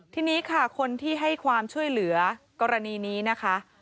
ทีนี้ค่ะคนที่ให้ความช่วยเหลือกรณีนี้นะคะ